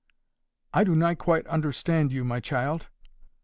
"I do not quite understand you, my child."